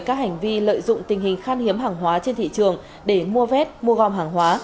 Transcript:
các hành vi lợi dụng tình hình khan hiếm hàng hóa trên thị trường để mua vét mua gom hàng hóa